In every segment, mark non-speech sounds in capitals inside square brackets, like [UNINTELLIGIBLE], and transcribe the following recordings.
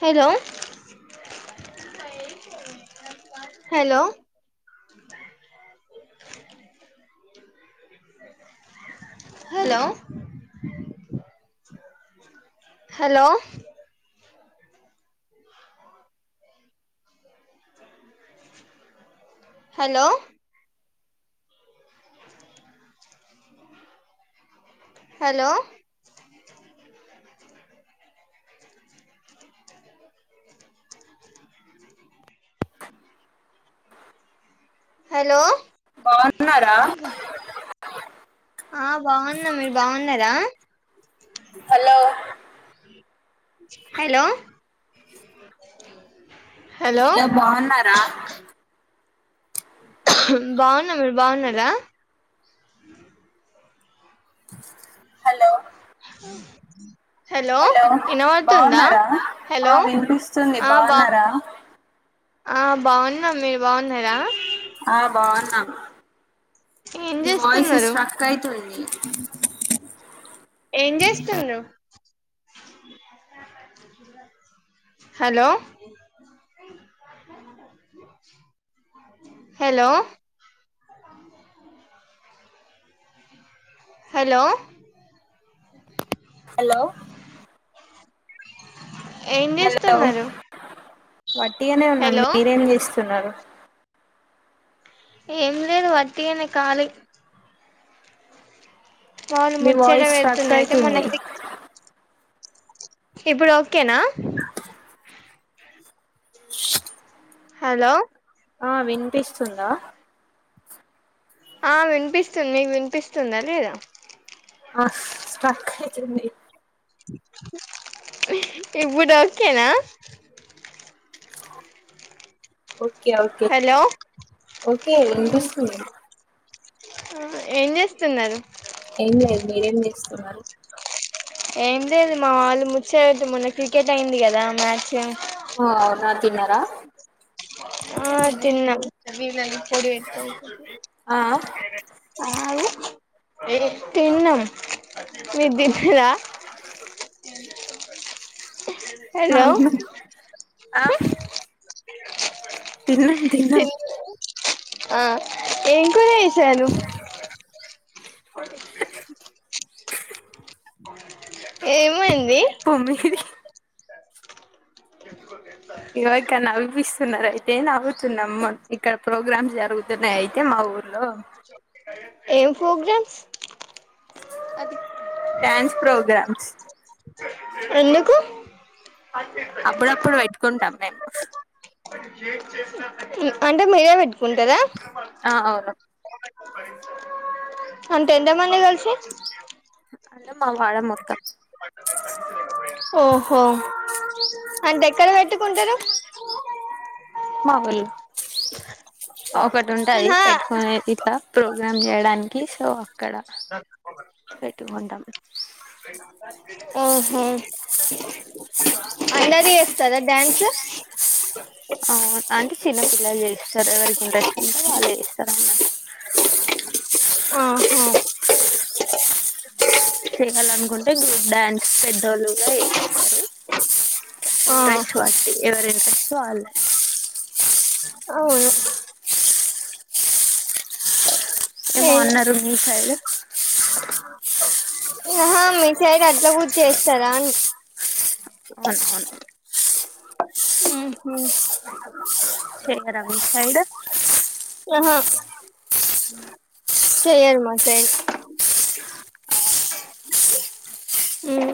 Hello hello hello hello hello. Hello. Hello. బాగున్నారా. ఆహ్ బాగున్నము మీరు బావున్నారా. హలో హలో హలో బావున్నారా బావున్నా మీరు బావున్నారా హలో హలో ఇనవోడ్తుందా బాగున్నారా ఆ హలో వినిపిస్తుంది ఆ బా బాగున్నారా ఆ బావున్నాం మీరు బావున్నారా ఆ బాగున్నా ఏం మీ వాయిస్ చేస్తున్నారు స్స్ట్రక్ అయితుంది ఏం చేస్తున్నావ్ హలో హలో హలో హలో ఏం చేస్తున్నారు వట్టిగనే ఉన్నాం హలో మీరేం చేస్తున్నారు ఎంలేదు వట్టిగనే కాలి వాళ్ళు మీ ముచ్చేట వాయిస్ స్ట్రక్ వెడ్తూన్నా అయితే మొన్న అయితుంది క్రి ఇప్పుడు ఓకేనా హలో ఆ వినిపిస్తుందా ఆ వినిపిస్తుంది మీకు వినిపిస్తుందా లేదా ఆ స్ట్రక్ అయితుంది ఇప్పుడు ఓకేనా ఓకే ఓకే హలో ఓకే వినపిస్తుంది ఉ ఏం చేస్తున్నారు ఏం లేదు మీరేం చేస్తున్నారు ఏం లేదు మా వాళ్ళు ముచ్చట్ మొన్న క్రికెట్ అయింది కదా మ్యాచ్ ఓ అవునా తిన్నారా ఆ తిన్నా ఆ తిన్నం మీర్ దిన్నరా హలో అవును ఆ తిన్నాం తిన్నాం తిన్ ఆ ఏం కూర చెస్ చరు ఏమైంది పో మీది ఇగో ఇక్కడ్ నవిపిస్ తున్నారు అయితే నవ్వుతున్నామ్ ఇక్కడ ప్రోగ్రామ్స్ జరుగుతున్నాయి అయితే మా ఊర్లో ఏం ఫోగ్రామ్స్ డాన్స్ ప్రోగ్రామ్స్ ఎందుకు అప్పుడప్పుడు వెట్టుకుంటాం మేమ్ అంటే మీరే పెట్టుకుంటారా ఆ అవును అంటే ఎంతమంది కలిసి అలా మా వాడా మొత్తం ఓహో అంటే ఎక్కడ పేట్టుకుంటరు మావోల్లు ఒకటి ఉంటాది ఆహా పెట్టుకొని ఇట్లా ప్రోగ్రామ్ చేయడానికి సో అక్కడ పెట్టుకుంటాం ఉ హు అన్నది వేస్తారా డ్యాన్స్ అవున్ అంటే చిన్నపిల్లలు చేస్తారు ఎవరికి ఇంట్రెస్ట్ ఉంటే వాళ్లే చేస్తారు అన్నట్టు ఆహా చేయ్యాలనుకుంటే గ్రూప్ డాన్స్ పెద్దోళ్ళు లు కూడా ఆ వేస్తారు ఇంట్రెస్ట్ వాళ్ళకి ఎవరైనా డ్రెస్ వాళ్ళది అవును ఏమో అన్నారు మీ సైడ్ అహా మీక్ సైడ్ అట్లా కూర్ చేస్తారా అని అవును అవును ఉ హు చేయ్యరా మీ సైడ్ అహా చెయ్యరు మా సైడ్ ఉమ్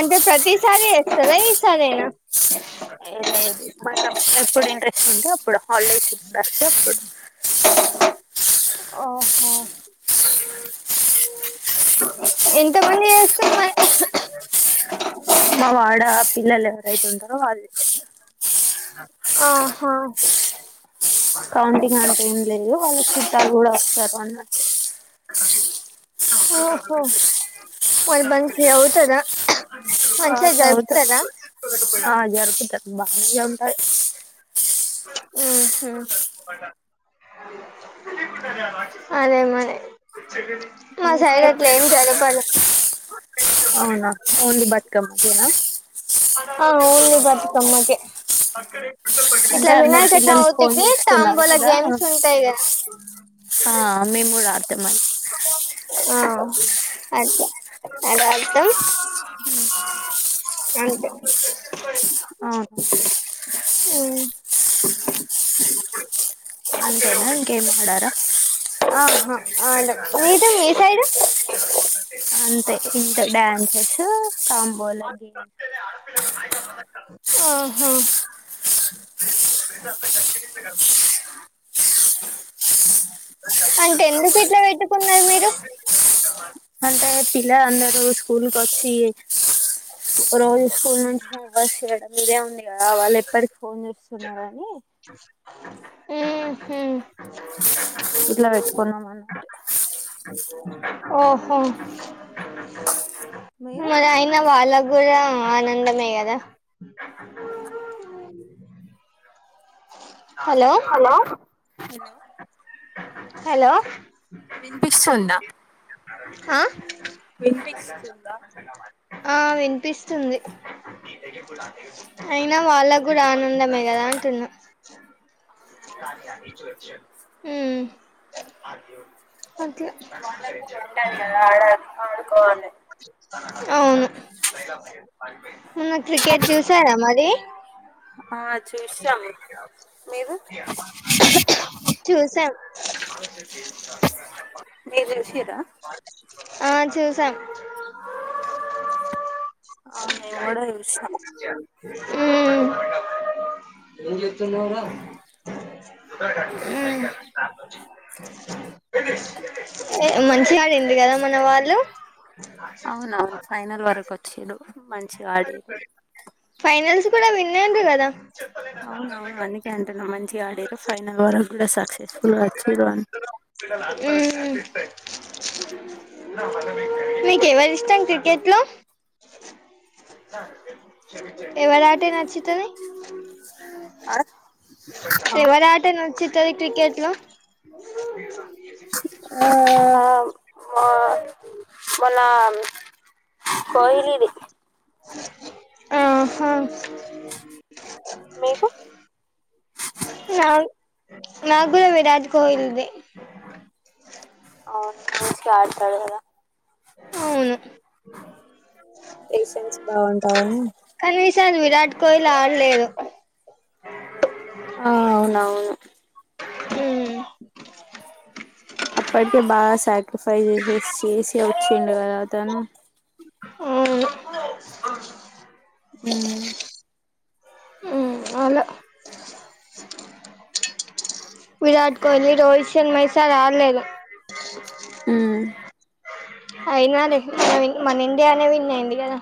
అంటే ప్రతిసారి ఎస్తదా ఈసారెనా ఎం లేదు మాక్ అప్పుడుప్పుడు ఇంట్రెస్ట్ ఉంటే అప్పుడు హాలిడేస్ ఇస్తారు కదా అప్పుడు ఓహో ఎంతమంది చేస్తుర్ మర్ మా వాడా పిల్లలు ఎవరైతే ఉంటారో వాళ్ళు ఇచ్చేతారు ఆహా కౌంటింగ్ అంటే ఏం లేదు వాళ్ళ చుట్టాలు కూడా వస్తారు అన్న ఓహో మలి మంచిగా అవుతదా ఆ మంచిగా చౌత్ జరుపుతారా ఆ జరుపుతర్ బాగే ఉంటది ఉ హు అదే మరి మా సైడ్ అట్లా ఏం జరపరు అవునా ఓన్లీ బతుకమ్మకేనా ఆ ఓన్లీ బతుకమ్మకే అంటే ఇట్లా అందరు పిల్లలు ఫోన్ వినాయచవుతికి చూస్తున్నారు తాంబోలా కదా గేమ్స్ ఉంటాయి గద ఆ మేము గూడా ఆ అద్ ఆడ్ ఆడతాం అంటే అవును ఉమ్ అంతేనా ఇకేంమాడరా అహ్ అడం మీది మీ సైడ్? అంతే ఇంత డ్యాన్సెస్ కంబోలా గేమ్స్ ఆహా అంటే ఎందుకు ఇట్ల పెట్టుకున్నరు మీరు అంటే పిల్లలందరు స్కూల్ కొచ్చి రోజ్ స్కూల్ నుంచి హోంవర్క్స్ చేయడం మీరే ఉంది కదా వాళ్ళ ఎప్పటికి ఫోన్ చేస్తున్నారని ఉహు ఇట్లా వెట్కోన్నామన్నట్ ఓహో మీరు మరి అయిన వాళ్ళ గుడా ఆనందమే గదా హలో హలో వినిపిస్తుంద? హా వినిపిస్తుందా? ఆ వినిపిస్తుంది. అయినా వాళ్ళగుడా ఆనందమే కదా అంటున్నా. మ్ అట్లా ఆడుకోవాలే అవును మొన్న క్రికెట్ చూసారా మది? ఆ చూసాము మీరు చూసామ్ సినిమా చూసి మీరు చూసిరా ఆ చూసామ్ ఆమ్ మేమ్ కూడా చూసినం ఉమ్ ఏం జెత్తున్నావు రా? మ్ ఎ మంచిగాడింది కదా మన వాళ్ళు అవున ఫైనల్ వరకు వచ్చేడు మంచిగా ఆడిరు. ఫైనల్స్ కూడా విన్అయిన్రు కదా. అవున అవును అందుకె అంటున్నా మంచిగా ఆడిరు. ఫైనల్ వర కూడా స చెస్ కూడా వచ్చిరు రన్ ఉమ్ మీకెవరు ఇష్టం క్రికెట్ లో? ఎవరా ఆటే నచ్చితది ఎవరా ఆటే నచ్చి తది క్రికెట్ గ ఆమ్ మా మొన్నం కోయిలిది ఆహా మీకు నాక్ నాకుడ విరాట్ కోహల్ది ఎ అవును మా అక్క ఆడతాది గదా అవును పేషెంస్ బాగుంటాయిని చల్ విరాట్ కోహ్లీ ఆడలేదు ఆ అవునవును మ్ అప్పటికే బాగా సాక్రైఫైస్ చేసేసి చేసి వచ్చిండు గదా అతను మ్ ఉమ్ అలా విరాట్ కోహ్లీ, రోహిత్ శర్మ ఈసారి ఆల్లేదు. ఉమ్ అయినా [UNINTELLIGIBLE] మన ఇండియానే విన్నైంది కదా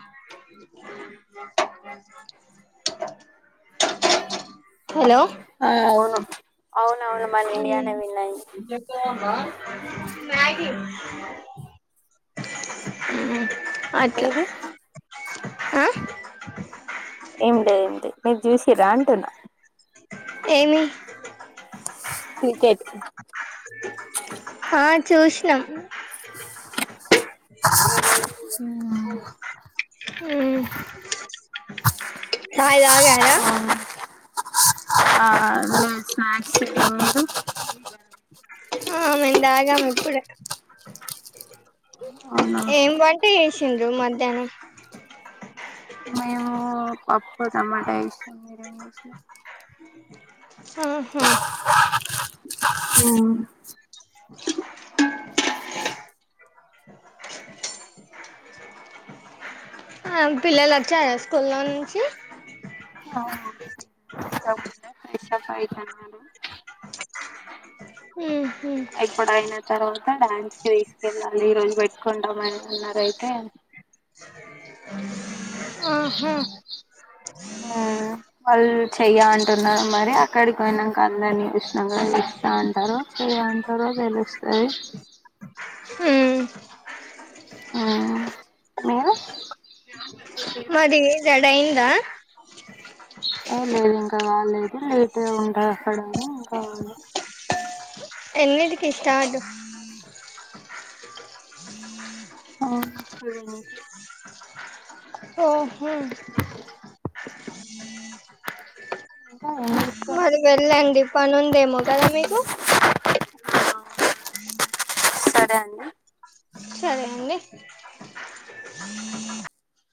హలో అవును అవునవును మన ఇండియానే విన్నాయింది మ్యాగ్గి అట్లా మీది ఆ ఏంలే ఏంలే మీర్ జూసిర్రాంటున్నా ఏమీ క్రికెట్ ఆ చూష్నా మ్ చాయ్ దాగారా ఆ ఉమ్ స్నాక్స్ తిన్నాముందు ఆ మేం దాగాం ఇప్పుడే అవునా ఏం వంట చేసిర్రు తుండ్రు మధ్యాహ్నం మేము పప్పుటమాటా ఏశినం మీరేం జేశినార్ మ్ హ్మ్ మ్ ఆ పిల్లలోచ్చారా స్కూల్లో నుంచి ఆ [INAUDIBLE] ఫ్రెషప్ అయితున్నారు హ్మ్ ఎప్పుడైనా తర్వాత డ్యాన్స్ కి తీస్కెళ్ళాలి ఈ రోజు వెట్టుకుంటమని అన్నారైతే ఆహా మ్ వల్ చేయంటూన్నారు మరి అక్కడికోయినంక అందర్నీ జుశ్నంక ఇస్తాంటారో ఇయంటరో తెలుస్తది ఉమ్ ఆ ఆ మరి జడైరా ఆ లేదు ఇంకా కాలేదు లేట్ గా ఉంటదక్కడని ఇంకావాలి ఎన్నిటికి స్టార్టు ఆ సేవన్కి ఓహా ఇంకా ఏం జెస్ మరి వెళ్ళండి పనుందేమో కదా మీకు [INAUDIBLE] సరే అండి సరే అండి